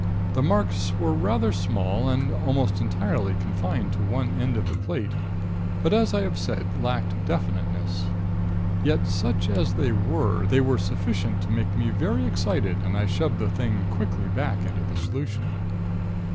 The marks were rather small, and were almost entirely confined to one end of the plate, but as I have said, lacked definiteness. Yet, such as they were, they were sufficient to make me very excited and I shoved the thing quickly back into the solution.